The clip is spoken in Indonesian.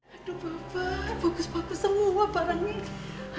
aduh bapak bagus bagus semua parahnya